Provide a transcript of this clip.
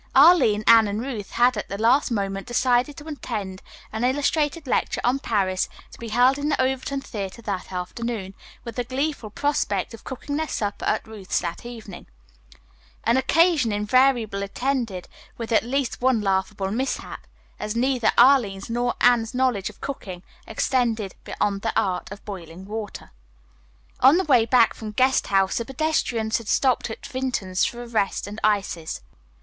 Arline, Anne and Ruth had at the last moment decided to attend an illustrated lecture on Paris, to be held in the Overton Theatre that afternoon, with the gleeful prospect of cooking their supper at Ruth's that evening, an occasion invariably attended with at least one laughable mishap, as neither Arline's nor Anne's knowledge of cooking extended beyond the art of boiling water. On the way back from Guest House the pedestrians had stopped at Vinton's for a rest and ices.